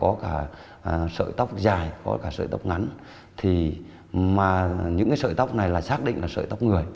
có cả sợi tóc dài có cả sợi tóc ngắn thì những cái sợi tóc này là xác định là sợi tóc người